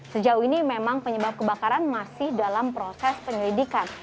sejauh ini memang penyebab kebakaran masih dalam proses penyelidikan